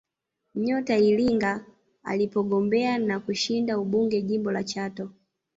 Nyota ilingaa alipogombea na kushinda ubunge jimbo la Chato